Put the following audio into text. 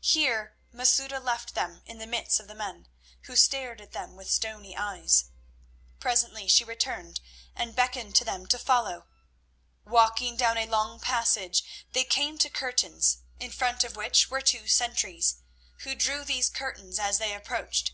Here Masouda left them in the midst of the men, who stared at them with stony eyes. Presently she returned, and beckoned to them to follow her. Walking down a long passage they came to curtains, in front of which were two sentries, who drew these curtains as they approached.